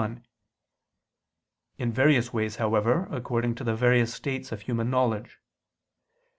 i); in various ways, however, according to the various states of human knowledge.